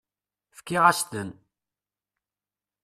Fkiɣ-as-ten.